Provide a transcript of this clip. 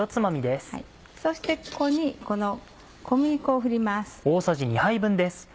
そしてここに小麦粉を振ります。